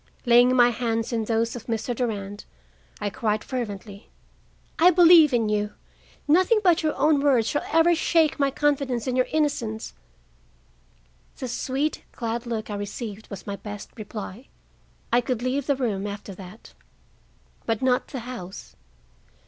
Laying my hands in those of Mr. Durand, I cried fervently: "I believe in you. Nothing but your own words shall ever shake my confidence in your innocence." The sweet, glad look I received was my best reply. I could leave the room, after that. But not the house.